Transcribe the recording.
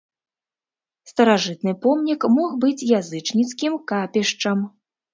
Старажытны помнік мог быць язычніцкім капішчам.